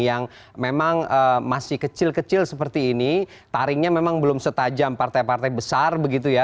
yang memang masih kecil kecil seperti ini taringnya memang belum setajam partai partai besar begitu ya